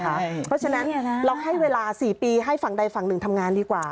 เพราะฉะนั้นเราให้เวลา๔ปีให้ฝั่งใดฝั่งหนึ่งทำงานดีกว่า